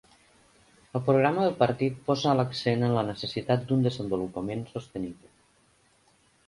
El programa del partit posa l'accent en la necessitat d'un desenvolupament sostenible.